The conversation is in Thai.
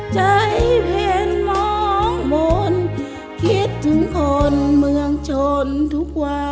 เพลงมองมนต์คิดถึงคนเมืองชนทุกวัน